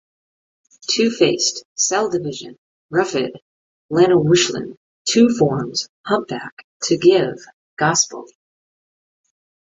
two-faced, cell division, Ruffydd, Llanuwchllyn, two forms, humpback, to give, gospel